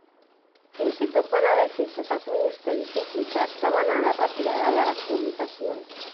Fins i tot van haver queixes als ministeris implicats demanant la retirada de les publicacions.